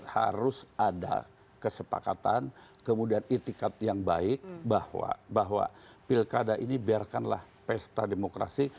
harus ada kesepakatan kemudian itikat yang baik bahwa pilkada ini biarkanlah pesta demokrasi